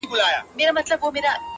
څومره ترخه مي وه ګڼلې، څه آسانه سوله!